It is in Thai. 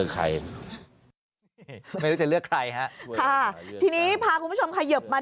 ค่ะทีนี้พาคุณผู้ชมเขยิบมา